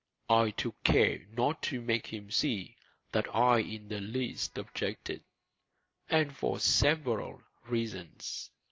I took care not to make him see that I in the least objected, and for several reasons.